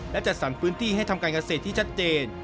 และจัดสรรพื้นที่ให้ทำการเกษตรที่ชัดเจน